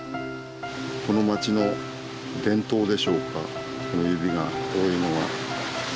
この町の伝統でしょうか指が多いのは。